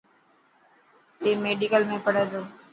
اي ميڊيڪل ۾ پهري تو.